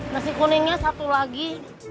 nasi kuningnya satu lagi